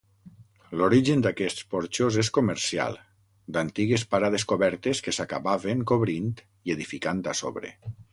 L'origen d'aquests porxos és comercial, d'antigues parades cobertes que s'acabaven cobrint i edificant a sobre.